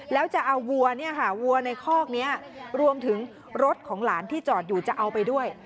แล้วจะเอาวัวเนี่ยค่ะวัวในคอกนี้รวมถึงรถของหลานที่จอดอยู่จะเอาไปด้วย